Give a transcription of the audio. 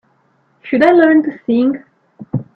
Should I learn to sing?